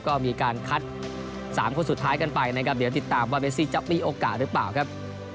ก็มีการคัด๓คนสุดท้ายกันไปนะครับเดี๋ยวติดตามว่าเมซี่จะมีโอกาสหรือเปล่าครับ